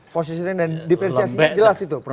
posisi dan difersiasinya jelas itu prof